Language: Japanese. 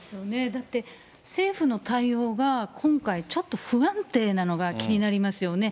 だって、政府の対応が今回、ちょっと不安定なのが気になりますよね。